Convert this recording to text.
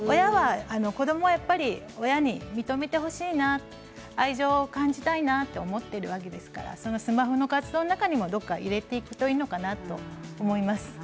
子どもは親に認めてほしいな愛情を感じたいなと思っているわけですからスマホの活動の中にもどこかへ入れてくといいのかなと思います。